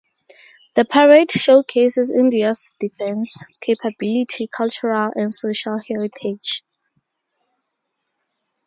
The parade showcases India's Defence Capability, Cultural and Social Heritage.